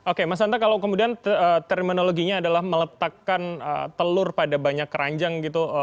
oke mas santa kalau kemudian terminologinya adalah meletakkan telur pada banyak keranjang gitu